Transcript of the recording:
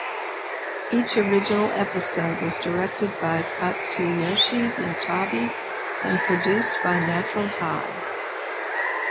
Each original episode was directed by Katsuyoshi Yatabe and produced by Natural High.